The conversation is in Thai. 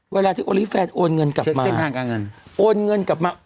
เวลาที่โอลี่แฟนโอนเงินกลับมาเส้นทางการเงินโอนเงินกลับมา